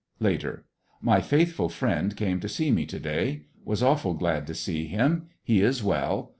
Later— My faithful friend came to see me to day. Was awful glad to see him. He is well.